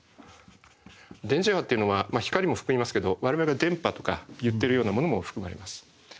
電磁波っていうのは光も含みますけど我々が電波とか言ってるようなものも含まれます。